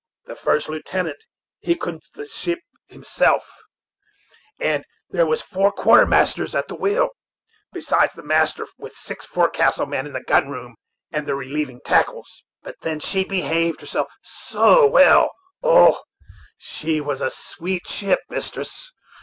The first lieutenant he cun'd the ship himself, and there was four quarter masters at the wheel, besides the master with six forecastle men in the gun room at the relieving tackles. But then she behaved herself so well! Oh! she was a sweet ship, mistress!